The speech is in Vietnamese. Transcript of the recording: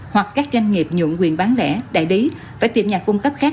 hoặc các doanh nghiệp nhuận quyền bán lẻ đại lý phải tìm nhà cung cấp khác